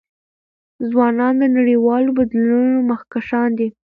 ځوانان د نړیوالو بدلونونو مخکښان دي.